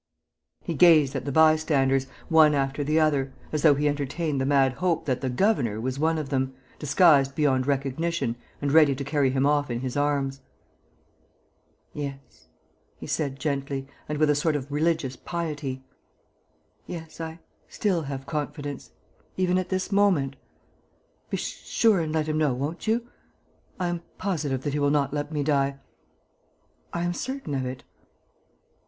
He gazed at the bystanders, one after the other, as though he entertained the mad hope that "the governor" was one of them, disguised beyond recognition and ready to carry him off in his arms: "Yes," he said, gently and with a sort of religious piety, "yes, I still have confidence, even at this moment.... Be sure and let him know, won't you?... I am positive that he will not let me die. I am certain of it...."